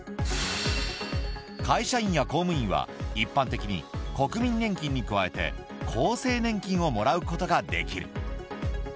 会社員や公務員は一般的に国民年金に加えて厚生年金をもらうことができる。